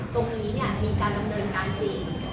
ตรงนี้มีการดำเนินการจริง